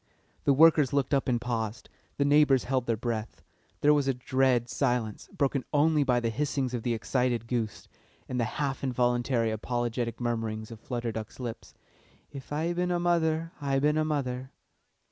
The workers looked up and paused, the neighbours held their breath; there was a dread silence, broken only by the hissings of the excited goose, and the half involuntary apologetic murmurings of Flutter Duck's lips: "If I bin a mother, I bin a mother."